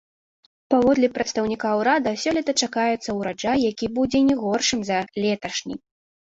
Паводле прадстаўніка ўрада, сёлета чакаецца ўраджай, які будзе не горшым за леташні.